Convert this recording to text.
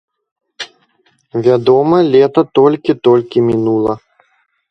Вядома, лета толькі-толькі мінула!